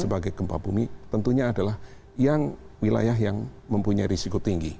sebagai gempa bumi tentunya adalah yang wilayah yang mempunyai risiko tinggi